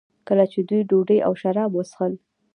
کله چې دوی ډوډۍ او شراب وڅښل.